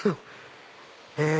え